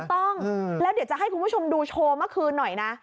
ถูกต้องแล้วเดี๋ยวจะให้คุณผู้ชมดูโชว์เมื่อคืนหน่อยนะ